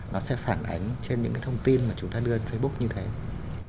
nó sẽ phản ảnh trên những cái thông tin mà chúng ta đưa đến facebook như thế này